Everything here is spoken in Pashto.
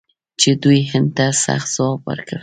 چې دوی هند ته سخت ځواب ورکړ.